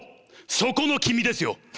そこの君ですよ！